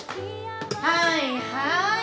はいはい。